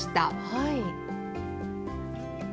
はい。